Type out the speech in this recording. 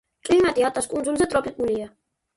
კლიმატი ატას კუნძულზე ტროპიკულია.